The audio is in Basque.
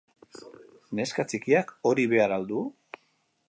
Neska txikiak hori behar al du?